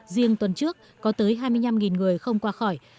riêng tuần trước có tới hai mươi năm người không qua khỏi